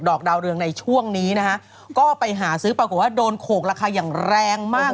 ดาวเรืองในช่วงนี้นะฮะก็ไปหาซื้อปรากฏว่าโดนโขกราคาอย่างแรงมาก